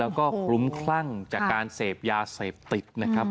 แล้วก็คลุ้มคลั่งจากการเสพยาเสพติดนะครับ